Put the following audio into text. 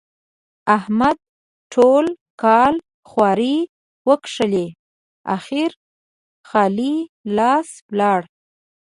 احمد ټول کال خواري وکښلې؛ اخېر خالي لاس ولاړ.